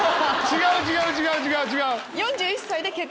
違う違う！